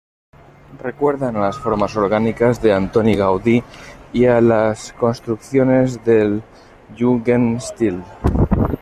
Recuerdan a las formas orgánicas de Antoni Gaudí y a las construcciones del Jugendstil.